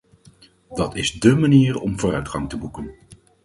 Dat is dé manier om vooruitgang te boeken.